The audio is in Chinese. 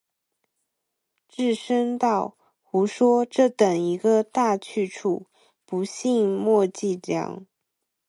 智深道：“胡说，这等一个大去处，不信没斋粮。